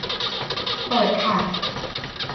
เปิดค่ะ